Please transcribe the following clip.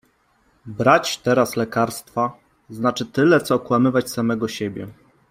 Brać teraz lekarstwa znaczy tyle, co okłamywać samego siebie.